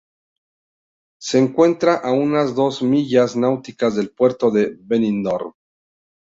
Se encuentra a unas dos millas náuticas del puerto de Benidorm.